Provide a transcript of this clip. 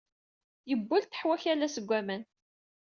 Yebbulteḥ wakal-a seg waman.